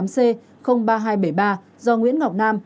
tám mươi tám c ba nghìn hai trăm bảy mươi ba do nguyễn ngọc nam